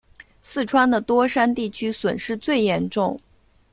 四川的多山地区损失最严重。